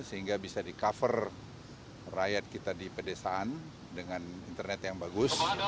sehingga bisa di cover rakyat kita di pedesaan dengan internet yang bagus